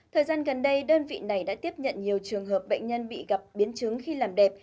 thời gian gần đây đơn vị này đã tiếp nhận nhiều trường hợp bệnh nhân bị gặp biến chứng khi làm đẹp